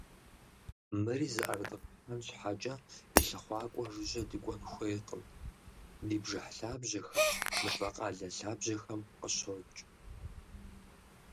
Мыри зыӏэрыдгъэхьэн щхьэкӏэ, и лъыхъуакӏуэ жыжьэ дыкӏуэн хуейкъым: ди бжыхь лъабжьэхэм, мывэкъалэ лъабжьэхэм къыщокӏ.